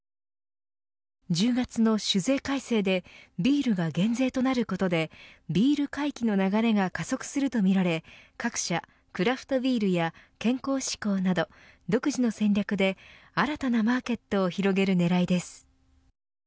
１０月の酒税改正でビールが減税となることでビール回帰の流れが加速するとみられ各社、クラフトビールや健康志向など、独自の戦略で新たなマーケットを広げる狙いです。